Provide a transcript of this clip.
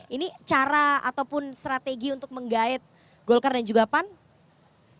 ini cara ataupun strategi untuk menggait golkar dan juga pan